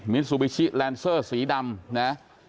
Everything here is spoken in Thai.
มิสุบิชิแลนเซอร์สีดำ